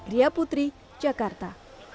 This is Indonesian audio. ria putri jakarta